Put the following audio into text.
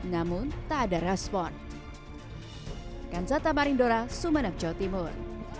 namun tak ada respon kanjata marindora sumanak jauh timur